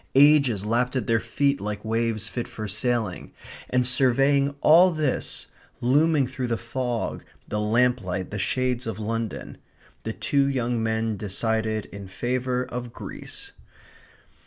Ages lapped at their feet like waves fit for sailing. And surveying all this, looming through the fog, the lamplight, the shades of London, the two young men decided in favour of Greece.